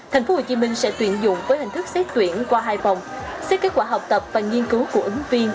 tp hcm sẽ tuyển dụng với hình thức xét tuyển qua hai phòng xét kết quả học tập và nghiên cứu của ứng viên